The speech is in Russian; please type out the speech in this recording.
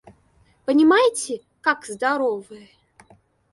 Понимаете, как здоровые!